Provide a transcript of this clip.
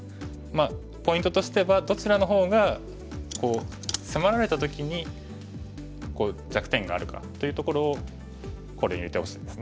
ポイントとしてはどちらの方が迫られた時に弱点があるかというところを考慮に入れてほしいですね。